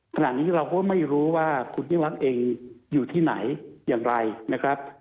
ขณะนี้เราก็ไม่รู้ว่าคุณยิ่งรักเองอยู่ที่ไหนอย่างไรนะครับ